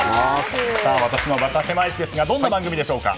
「私のバカせまい史」ですがどんな番組でしょうか。